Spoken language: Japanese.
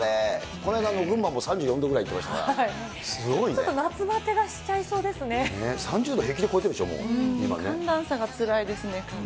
この間の群馬も３４度ぐらいいっちょっと夏バテがしちゃいそ３０度平気で超えてるんでし寒暖差がつらいですね。